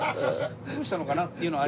どうしたのかなっていうのは。